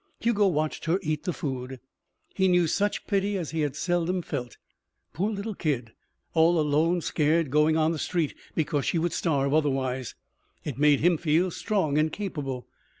Hugo watched her eat the food. He knew such pity as he had seldom felt. Poor little kid! All alone, scared, going on the street because she would starve otherwise. It made him feel strong and capable.